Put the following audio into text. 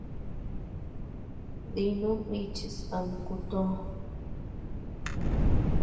Dinu nichis ama kú töo.